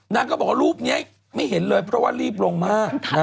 นางก็บอกว่ารูปนี้ไม่เห็นเลยเพราะว่ารีบลงมาก